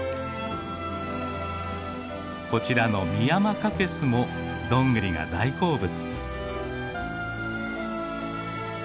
こちらのミヤマカケスもどんぐりが大好物。